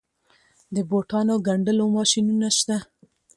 د بوټانو ګنډلو ماشینونه شته